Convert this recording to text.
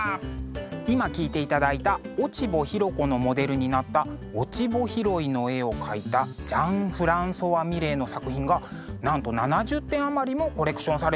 今聴いていただいた「落穂拾子」のモデルになった「落ち穂拾い」の絵を描いたジャン＝フランソワ・ミレーの作品がなんと７０点余りもコレクションされているんだそうです。